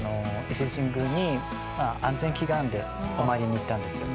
伊勢神宮に安全祈願でお参りに行ったんですよ。